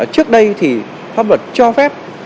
trước đây thì pháp luật cho phép